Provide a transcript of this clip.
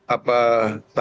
apa tarifnya untuk sementara